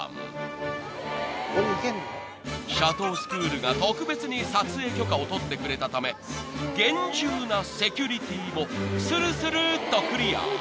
［シャトースクールが特別に撮影許可を取ってくれたため厳重なセキュリティーもするするっとクリア］